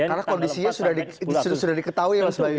karena kondisinya sudah diketahui ya mas bayu